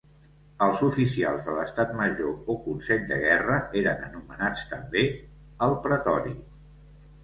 Els oficials de l'estat major o consell de guerra eren anomenats també el pretori.